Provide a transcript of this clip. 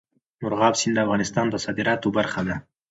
مورغاب سیند د افغانستان د صادراتو برخه ده.